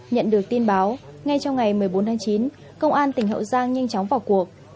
nhận được tin báo ngay trong ngày một mươi bốn tháng chín công an tỉnh hậu giang nhanh chóng vào cuộc